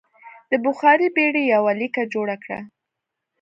د بخار بېړۍ یوه لیکه جوړه کړه.